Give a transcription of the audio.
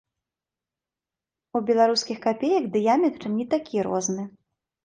У беларускіх капеек дыяметр не такі розны.